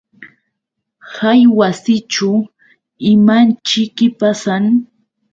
Hay wasićhu ¿imaćhiki pasan?